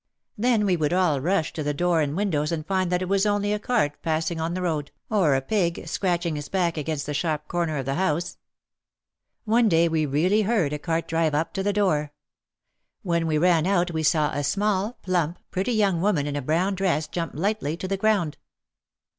Then we would all rush to the door and windows and find that it was only a cart 36 OUT OF THE SHADOW passing on the road, or a pig scratching his back against the sharp corner of the house. One day we really heard a cart drive up to the door. When we ran out we saw a small, plump, pretty young woman in a brown dress jump lightly to the ground.